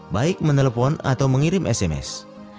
baik menelpon atau mengirim sms